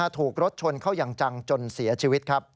ถูกรถชนเข้ายังจังจนเสียชีวิต